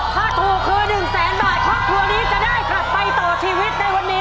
ถ้าถูกคือ๑แสนบาทครอบครัวนี้จะได้กลับไปต่อชีวิตในวันนี้